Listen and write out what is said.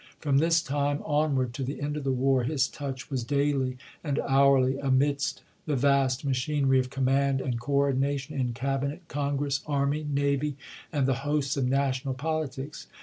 From this time onward to the end of the war his touch was daily and hourly amidst the vast machin ery of command and coordination in Cabinet, Con gress, army, navy, and the hosts of national politics.